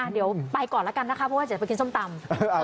เดี๋ยวไปก่อนแล้วกันนะคะเพราะว่าเดี๋ยวจะไปกินส้มตำ